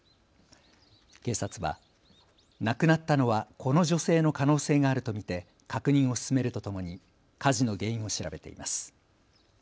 警察は亡くなったのはこの女性の可能性があると見て確認を進めるとともに火事の原因を調べています。